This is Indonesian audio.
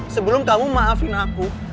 sebelum kamu maafin aku